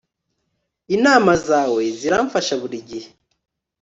Inama zawe ziramfasha buri gihe